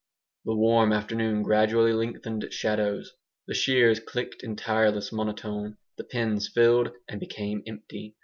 The warm afternoon gradually lengthened its shadows; the shears clicked in tireless monotone; the pens filled and became empty.